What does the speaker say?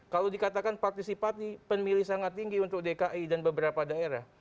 kalau dikatakan partisipasi pemilih sangat tinggi untuk dki dan beberapa daerah